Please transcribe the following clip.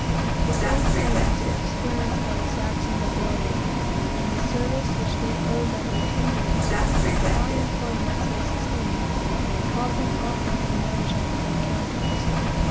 The same sentiments were experienced by the Saxon nobility; and the service which they owed by their tenures, and the high employments they sustained, called them often from the management of their counties.